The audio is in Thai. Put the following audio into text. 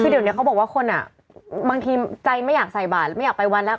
คือเดี๋ยวนี้เขาบอกว่าคนอ่ะบางทีใจไม่อยากใส่บาทไม่อยากไปวันแล้ว